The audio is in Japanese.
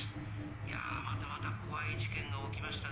いやあまたまた怖い事件が起きましたね